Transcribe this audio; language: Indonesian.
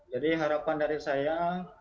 jadi harapan dari saya